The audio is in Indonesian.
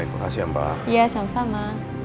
misalnya mbak ikut asya ya sama sama